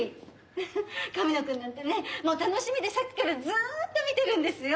フフッ神野くんなんてねもう楽しみでさっきからずーっと見てるんですよ。